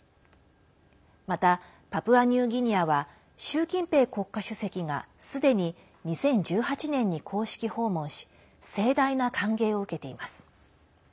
また、パプアニューギニアは習近平国家主席がすでに２０１８年に公式訪問し盛大な歓迎を受けています。